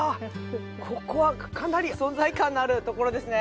ここはかなり存在感のある所ですね。